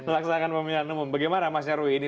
laksanakan pembinaan umum bagaimana mas yerwi